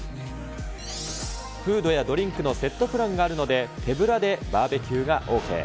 フードやドリンクのセットプランがあるので、手ぶらでバーベキューがＯＫ。